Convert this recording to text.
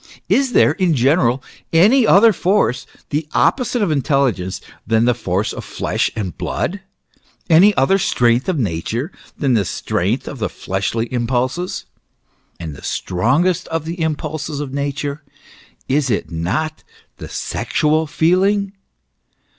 Is there, in general, any other force, the opposite of intelligence, than the force of flesh and blood, any other strength of Nature than the strength of the fleshly impulses ? And the strongest of the impulses of Nature, is it not the sexual feeling